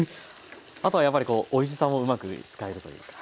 あとはやっぱりこうおいしさもうまく使えるというか。